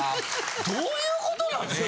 どういうことなんですか？